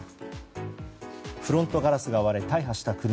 フロントガラスが割れ大破した車。